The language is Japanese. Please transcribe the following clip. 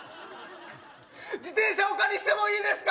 自転車お借りしてもいいですか！？